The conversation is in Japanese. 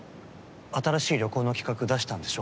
新しい旅行の企画出したんでしょ？